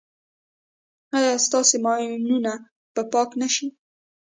ایا ستاسو ماینونه به پاک نه شي؟